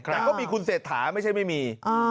แต่ก็มีคุณเศรษฐาไม่ใช่ไม่มี